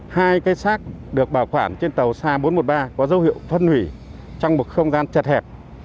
hai cái xác được bảo quản trên tàu sa bốn trăm một mươi ba có dấu hiệu phân hủy trong một không gian chật hẹp